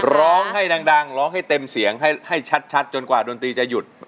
ร้องให้ดังร้องให้เต็มเสียงให้ชัดจนกว่าดนตรีจะหยุด